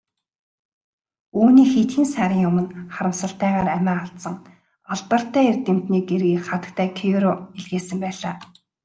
Үүнийг хэдхэн сарын өмнө харамсалтайгаар амиа алдсан алдартай эрдэмтний гэргий хатагтай Кюре илгээсэн байлаа.